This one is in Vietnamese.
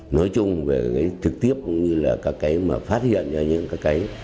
nói chung về cái trực tiếp cũng như là các cái mà phát hiện ra những cái